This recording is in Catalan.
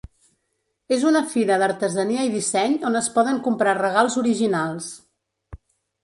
És una fira d’artesania i disseny on es poden comprar regals originals.